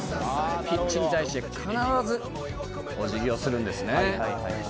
「ピッチに対して必ずお辞儀をするんですね」